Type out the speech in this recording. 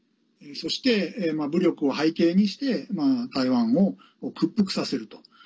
そして武力を背景にして台湾を屈服させると。